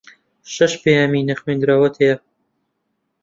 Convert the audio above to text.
شەش پەیامی نەخوێندراوت ھەیە.